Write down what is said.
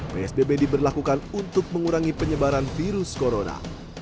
psbb diberlakukan untuk mengurangi penyebaran virus corona